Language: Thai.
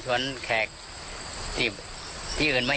ที่แวลงที่นี่อ่ะ